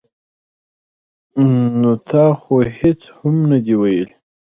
ـ نو تا خو هېڅ هم نه دي ویلي.